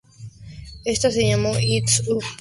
Ésta se llamó "It's Up To You".